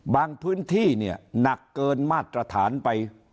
พื้นที่เนี่ยหนักเกินมาตรฐานไป